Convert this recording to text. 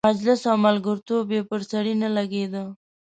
مجلس او ملګرتوب یې پر سړي ښه لګېده.